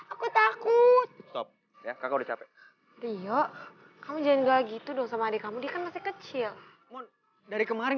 aku takut ya kakak udah capek rio kamu jangan gitu dong sama adik kamu di kecil dari kemarin